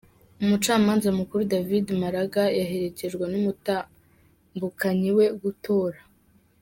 Umucamanza mukuru David Maraga yaherekejwe n’umutambukanyi wiwe gutora.